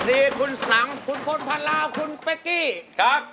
ดีคุณสังคุณพลพลาวคุณเป๊กกี้ครับ